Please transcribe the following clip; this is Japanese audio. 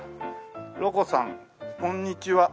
露瑚さんこんにちは。